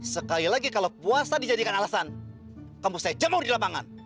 sekali lagi kalau puasa dijadikan alasan kamu saya jamur di lapangan